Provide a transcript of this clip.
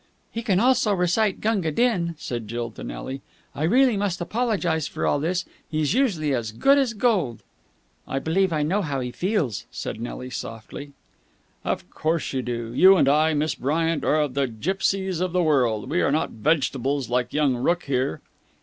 "He can also recite 'Gunga Din,'" said Jill to Nelly. "I really must apologize for all this. He's usually as good as gold." "I believe I know how he feels," said Nelly softly. "Of course you do. You and I, Miss Bryant, are of the gipsies of the world. We are not vegetables like young Rooke here."